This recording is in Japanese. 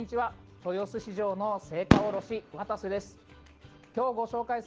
豊洲市場の青果卸、渡瀬です。